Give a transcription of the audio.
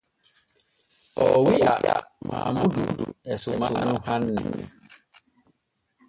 Oo yi’a Maamudu e sumaanu hanne.